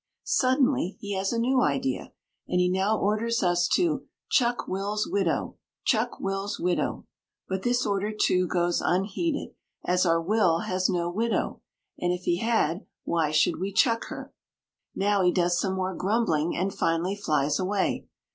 Suddenly he has a new idea and he now orders us to "Chuck Will's widow! Chuck Will's widow!" but this order, too, goes unheeded, as our Will has no widow, and if he had why should we chuck her? Now he does some more grumbling and finally flies away.